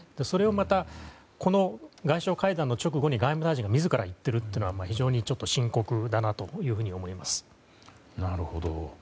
それをまたこの外相会談の直後に外務大臣が自ら言っているというのは非常に深刻だなというふうに思います。